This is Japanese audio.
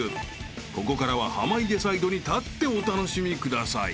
［ここからは濱家サイドに立ってお楽しみください］